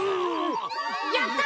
やった！